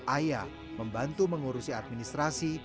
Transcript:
ayah membantu mengurusi administrasi